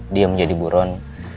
dia menjadi buron